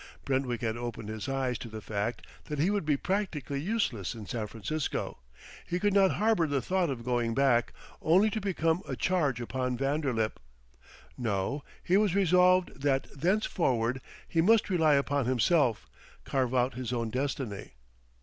Brentwick had opened his eyes to the fact that he would be practically useless in San Francisco; he could not harbor the thought of going back, only to become a charge upon Vanderlip. No; he was resolved that thenceforward he must rely upon himself, carve out his own destiny.